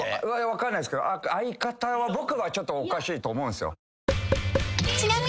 分かんないっすけど「相方」は僕はちょっとおかしいと思うんすよ。